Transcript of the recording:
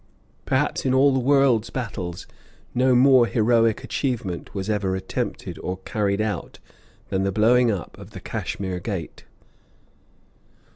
Perhaps in all the world's battles no more heroic achievement was ever attempted or carried out than the blowing up of the Cashmere Gate.